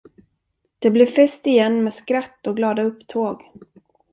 Det blev fest igen med skratt och glada upptåg.